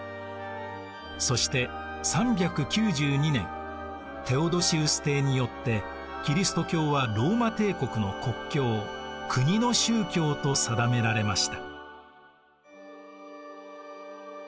そして３９２年テオドシウス帝によってキリスト教はローマ帝国の国教国の宗教と定められました。